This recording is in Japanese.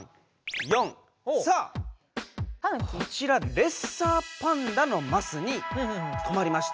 レッサーパンダのマスにとまりました。